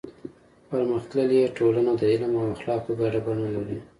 پرمختللې ټولنه د علم او اخلاقو ګډه بڼه لري.